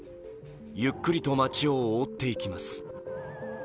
ゆっくりと街を覆っていきます。